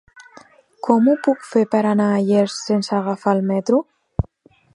Com ho puc fer per anar a Llers sense agafar el metro?